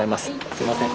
すみません。